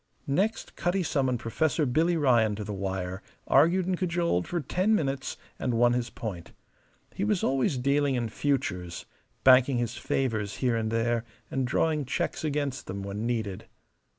Next, Cutty summoned Professor Billy Ryan to the wire, argued and cajoled for ten minutes, and won his point. He was always dealing in futures banking his favours here and there and drawing checks against them when needed.